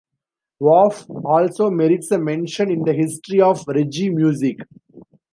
Waugh also merits a mention in the history of reggae music.